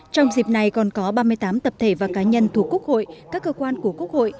trong dịp này còn có ba mươi tám tập thể và cá nhân thuộc quốc hội các cơ quan của quốc hội